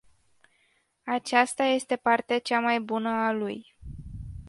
Aceasta este partea cea mai bună a lui.